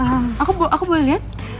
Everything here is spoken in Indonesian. ehm aku boleh liat